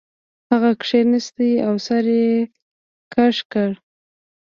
هغه کښیناست او سر یې کږ کړ